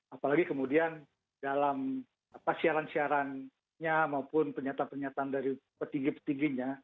apalagi kemudian dalam siaran siarannya maupun pernyataan pernyataan dari petinggi petingginya